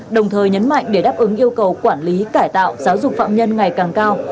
đồng thời nhấn mạnh để đáp ứng yêu cầu quản lý cải tạo giáo dục phạm nhân ngày càng cao